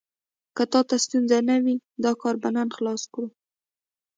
که تا ته ستونزه نه وي، دا کار به نن خلاص کړو.